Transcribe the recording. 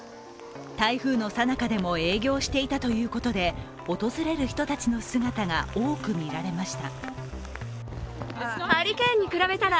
台風のさなかでも営業していたということで、訪れる人たちの姿が多く見られました。